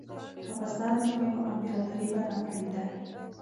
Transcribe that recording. که فساد نه وای نو امپراطورۍ به نه نړېده.